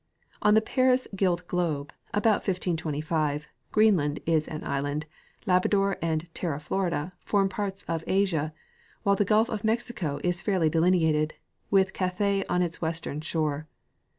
On the Paris gilt globe, about 1525, Greenland is an island, Labrador and " Terra Florida " form parts of Asia, while the gulf of Mexico is fairly delineated, with Cathay on its west ern shore.